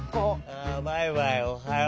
あマイマイおはよう。